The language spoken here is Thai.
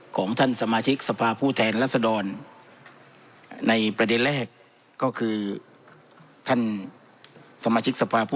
ของท่านสมาชิกสภาพผู้แทนรัศดรในประเด็นแรกก็คือท่านสมาชิกสภาพผู้